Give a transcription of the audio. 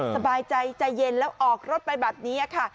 สบายใจใจเย็นแล้วออกรถไปแบบนี้ค่ะ